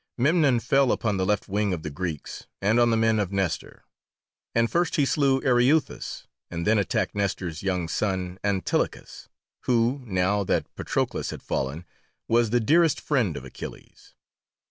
Memnon fell upon the left wing of the Greeks, and on the men of Nestor, and first he slew Ereuthus, and then attacked Nestor's young son, Antilochus, who, now that Patroclus had fallen, was the dearest friend of Achilles.